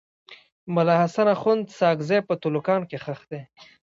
ملا حسن اخند ساکزی په تلوکان کي ښخ دی.